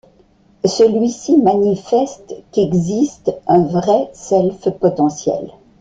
Celui-ci manifeste qu'existe un vrai self potentiel.